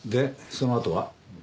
そのあと？